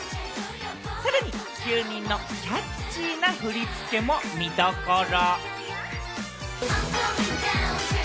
さらに９人のキャッチーな振り付けも見どころ。